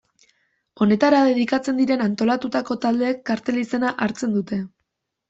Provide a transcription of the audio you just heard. Honetara dedikatzen diren antolatutako taldeek kartel izena hartzen dute.